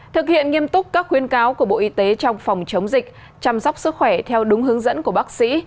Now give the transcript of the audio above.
thực hiện nghiêm túc các khuyên cáo của bộ y tế trong phòng chống dịch chăm sóc sức khỏe theo đúng hướng dẫn của bác sĩ